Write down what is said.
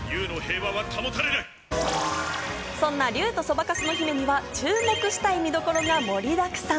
そんな『竜とそばかすの姫』には注目したい見どころが盛りだくさん。